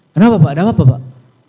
kenapa pak ada apa pak